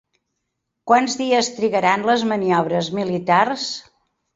Quants dies trigaran les maniobres militars?